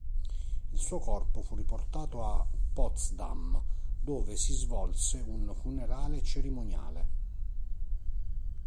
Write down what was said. Il suo corpo fu riportato a Potsdam, dove si svolse un funerale cerimoniale.